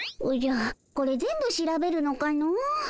おじゃこれ全部調べるのかの？